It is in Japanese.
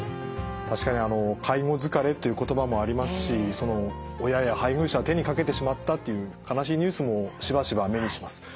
確かに「介護疲れ」っていう言葉もありますし親や配偶者を手に掛けてしまったっていう悲しいニュースもしばしば目にします。